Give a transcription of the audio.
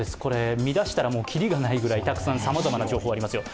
見出したらきりがないくらいさまざまな情報がありますよ。